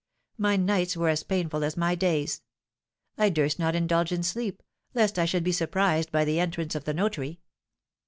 My nights were as painful as my days. I durst not indulge in sleep, lest I should be surprised by the entrance of the notary.